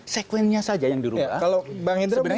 sekuennya saja yang dirubah